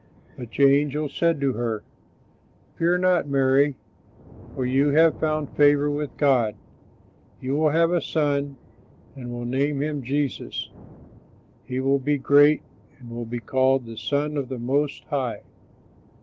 But the angel said to her, "Fear not, Mary, for you have found favor with God. You will have a son and will name him Jesus. He will be great and will be called the Son of the Most High."